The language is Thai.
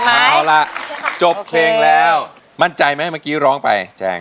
ถ้าการไม่ลืมคนร้ายใจมันจะตายก็ตายแล้วกัน